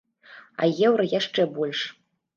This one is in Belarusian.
А еўра яшчэ больш.